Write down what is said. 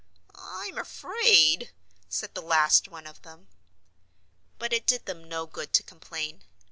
"I'm afraid," said the last one of them. But it did them no good to complain.